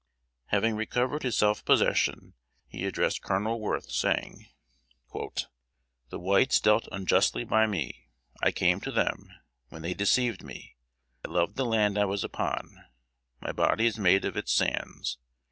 Having recovered his self possession, he addressed Colonel Worth, saying, "The whites dealt unjustly by me. I came to them, when they deceived me. I loved the land I was upon; my body is made of its sands.